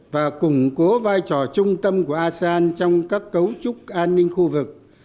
và củng cố vai trò trung tâm của asean trong các cấu trúc an ninh khu vực